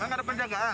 enggak ada penjagaan